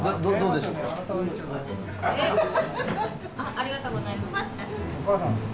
・ありがとうございます。